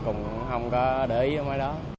chứ không có để ý vào mấy đó